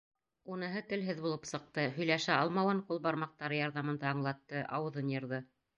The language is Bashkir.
Уныһы телһеҙ булып сыҡты, һөйләшә алмауын ҡул бармаҡтары ярҙамында аңлатты, ауыҙын йырҙы.